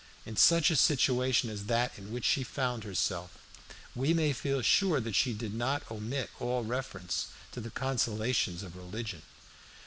In such a situation as that in which she found herself, we may feel sure that she did not omit all reference to the consolations of religion.